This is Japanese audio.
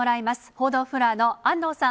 報道フロアの安藤さん。